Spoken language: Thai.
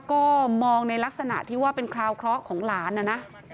ก็มองในลักษณะที่ว่าเป็นคราวเคราะห์ของหลานนะนะ